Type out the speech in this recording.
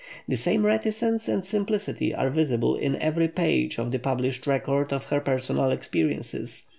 The same reticence and simplicity are visible in every page of the published record of her personal experiences.